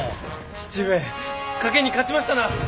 父上賭けに勝ちましたな！